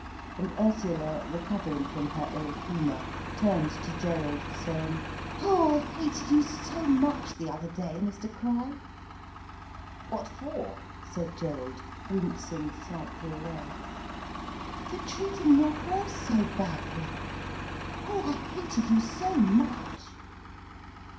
And Ursula, recovering from her ill humour, turned to Gerald saying: "Oh, I hated you so much the other day, Mr Crich," "What for?" said Gerald, wincing slightly away. "For treating your horse so badly. Oh, I hated you so much!"